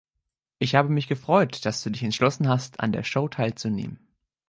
Ich habe mich gefreut, dass du dich entschlossen hast, an der Show teilzunehmen.